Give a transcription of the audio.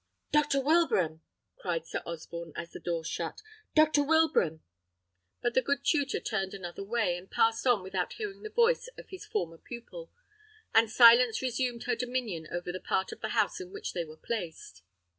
"Doctor Wilbraham!" cried Sir Osborne, as the door shut; "Doctor Wilbraham?" But the good tutor turned another way, and passed on without hearing the voice of his former pupil, and silence resumed her dominion over the part of the house in which they were placed.